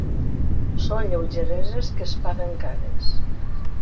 Són lleugereses que es paguen cares.